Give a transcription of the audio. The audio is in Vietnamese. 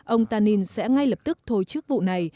ông tanin sẽ ngay lập tức thôi chức vụ này